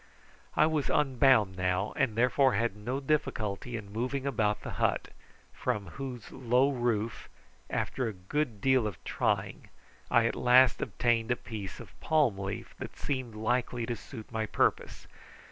I was unbound now, and therefore had no difficulty in moving about the hut, from whose low roof, after a good deal of trying, I at last obtained a piece of palm leaf that seemed likely to suit my purpose.